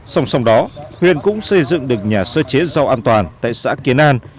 song song đó huyện cũng xây dựng được nhà sơ chế rau an toàn tại xã kiến an